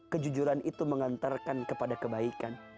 kejujuran itu mengantarkan kepada kebaikan